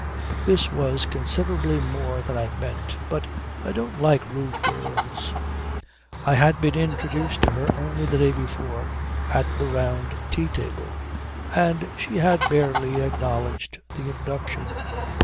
This was considerably more than I meant, but I don't like rude girls. I had been introduced to her only the day before at the round tea table and she had barely acknowledged the introduction.